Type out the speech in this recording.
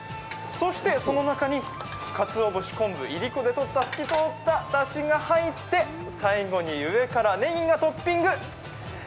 そして、その中にかつお節、昆布、いりこでとった透き通っただしが入って最後に上から、ねぎがトッピング。